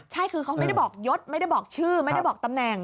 ใช่คือเขาไม่ได้บอกยศไม่ได้บอกชื่อไม่ได้บอกตำแหน่ง